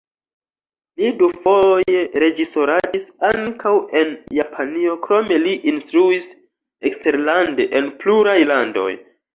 Li dufoje reĝisoradis ankaŭ en Japanio, krome li instruis eksterlande en pluraj landoj.